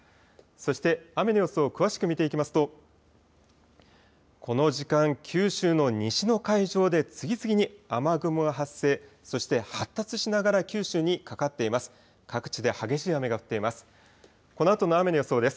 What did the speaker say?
そして雨の予想を詳しく見ていきますとこの時間、九州の西の海上で次々に雨雲が発生、そして発達しながら九州にかかっています。